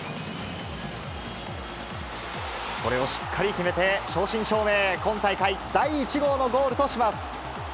これをしっかり決めて、正真正銘、今大会、第１号のゴールとします。